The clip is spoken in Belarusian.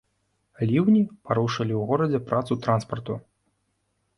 Ліўні парушылі ў горадзе працу транспарту.